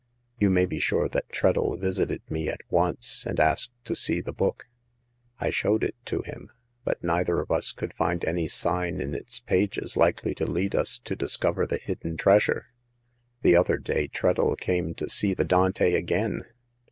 You may be sure that Treadle visited me at once and asked to see the book. I showed it to him, but neither of us could find any sign in its pages likely to lead us to discover the hidden treasure. The other day Treadle came to see the Dante again.